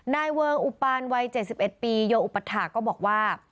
นายเริงอุปานวัย๗๑ปีโยอุปถาก็บอกว่า